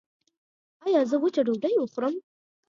ایا زه وچه ډوډۍ وخورم؟